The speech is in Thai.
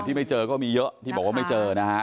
ไม่เจอก็มีเยอะที่บอกว่าไม่เจอนะฮะ